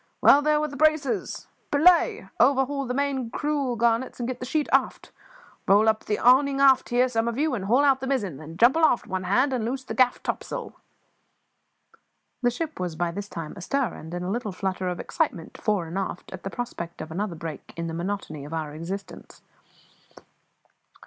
"Well there with the braces; belay! Overhaul the main clew garnets and get the sheet aft. Roll up the awning aft here, some of you, and haul out the mizzen; then jump aloft, one hand, and loose the gaff topsail." The ship was by this time astir and in a little flutter of excitement, fore and aft, at the prospect of another break in the monotony of our existence.